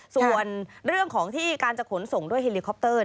ส่วนเรื่องของที่การจะขนส่งด้วยเฮลิคอปเตอร์